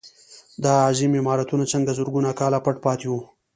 دا عظیم عمارتونه څنګه زرګونه کاله پټ پاتې وو.